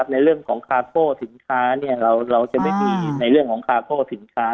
ในเรื่องของคาโก้สินค้าเราจะไม่มีในเรื่องของคาโก้สินค้า